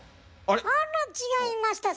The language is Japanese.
あら違いました。